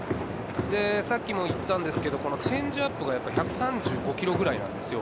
さっきも言ったんですけれど、チェンジアップが１３５キロくらいなんですよ。